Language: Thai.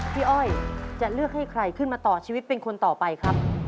อ้อยจะเลือกให้ใครขึ้นมาต่อชีวิตเป็นคนต่อไปครับ